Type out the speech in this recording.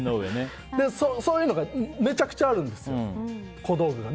そういうのがめちゃくちゃあるんです、小道具が。